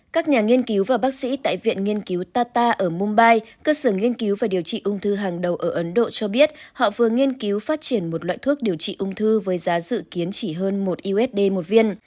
các nhà nghiên cứu và bác sĩ tại viện nghiên cứu tata ở mumbai cơ sở nghiên cứu và điều trị ung thư hàng đầu ở ấn độ cho biết họ vừa nghiên cứu phát triển một loại thuốc điều trị ung thư với giá dự kiến chỉ hơn một usd một viên